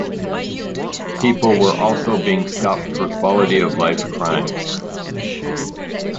People were also being stopped for quality of life crimes.